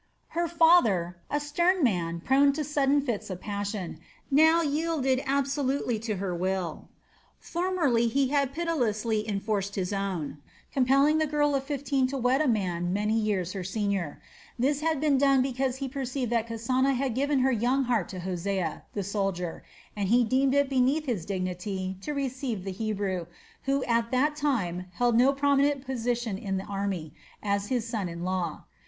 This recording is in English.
Her father, a stern man prone to sudden fits of passion, now yielded absolutely to her will. Formerly he had pitilessly enforced his own, compelling the girl of fifteen to wed a man many years her senior. This had been done because he perceived that Kasana had given her young heart to Hosea, the soldier, and he deemed it beneath his dignity to receive the Hebrew, who at that time held no prominent position in the army, as his son in law.